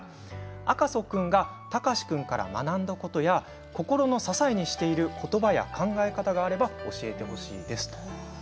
赤楚君が貴司君から学んだことや心の支えにしている言葉や考え方があれば教えてほしいです。